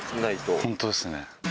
本当ですね。